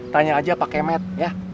tanya aja pak kemet ya